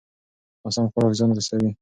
ناسم خوراک زیان رسوي.